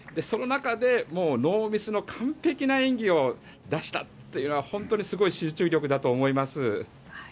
その中でノーミスの完璧な演技を出したっていうのが本当にすごい集中力だと思います。